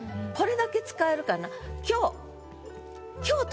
これだけ使えるかな。